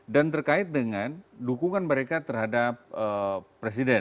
dan terkait dengan dukungan mereka terhadap presiden